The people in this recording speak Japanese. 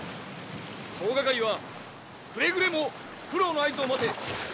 総掛かりはくれぐれも九郎の合図を待て。